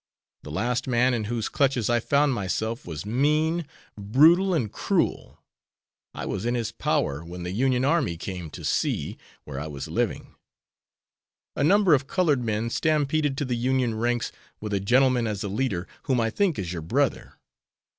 The last man in whose clutches I found myself was mean, brutal, and cruel. I was in his power when the Union army came into C , where I was living. A number of colored men stampeded to the Union ranks, with a gentleman as a leader, whom I think is your brother.